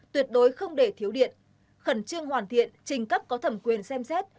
tuyệt đối không để thiếu điện khẩn trương hoàn thiện trình cấp có thẩm quyền xem xét